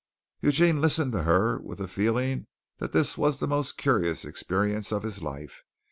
Eugene listened to her with the feeling that this was the most curious experience of his life.